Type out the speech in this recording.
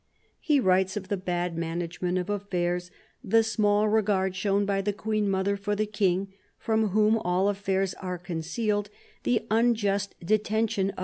He writes of " the bad management of affairs, the small regard shown by the Queen mother for the King, from whom all affairs are concealed, the unjust detention of M.